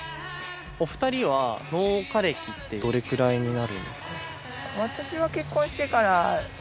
お二人は農家歴ってどれくらいになるんですか？